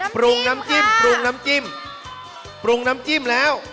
ปรุงน้ำจิ้มปรุงน้ำจิ้มปรุงน้ำจิ้มแล้ว